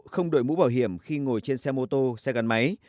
không đổi mũ bảo hiểm khi ngồi trên xe mô tô xe gắn máy